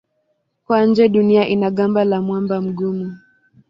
Kwa nje Dunia ina gamba la mwamba mgumu.